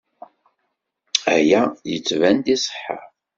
Aya yettban-d iṣeḥḥa.